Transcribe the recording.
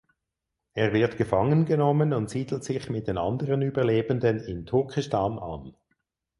Er wird gefangen genommen und siedelt sich mit den anderen Überlebenden in Turkestan an.